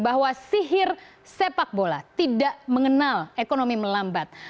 bahwa sihir sepak bola tidak mengenal ekonomi melambat